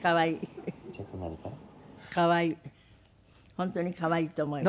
本当に可愛いと思います。